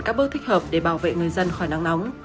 các bước thích hợp để bảo vệ người dân khỏi nắng nóng